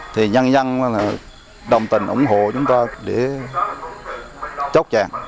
thì nhân dân đồng tình ủng hộ chúng tôi để chốt chặn